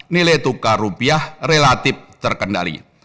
nilai tukar rupiah relatif terkendali